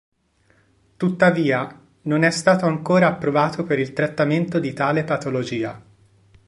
Tuttavia non è stato ancora approvato per il trattamento di tale patologia.